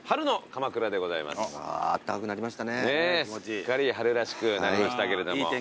すっかり春らしくなりましたけれども。